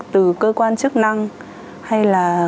từ cơ quan chức năng hay là